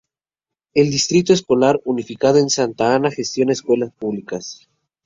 El Distrito Escolar Unificado de Santa Ana gestiona escuelas públicas.